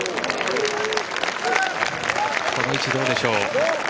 この位置、どうでしょう？